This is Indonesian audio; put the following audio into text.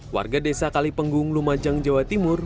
warga desa kalipenggung lumajang jawa timur